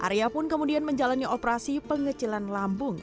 arya pun kemudian menjalani operasi pengecilan lambung